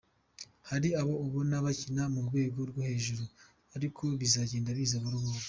Hari abo ubona bakina ku rwego rwo hejuru ariko bizagenda biza buhoro buhoro.